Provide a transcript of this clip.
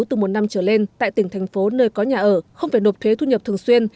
từ một năm trở lên tại tỉnh thành phố nơi có nhà ở không phải nộp thuế thu nhập thường xuyên